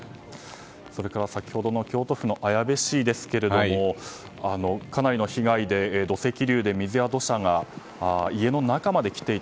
それから先ほどの京都府の綾部市ですけれどもかなりの被害で土石流で水や土砂が家の中まで来ていた。